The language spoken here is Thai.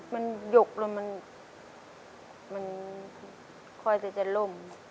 มันหยุกแล้วมันค่อยแต่ล่ม